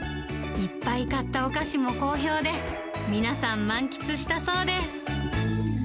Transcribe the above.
いっぱい買ったお菓子も好評で、皆さん、満喫したそうです。